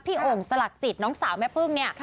โอ่งสลักจิตน้องสาวแม่พึ่งเนี่ย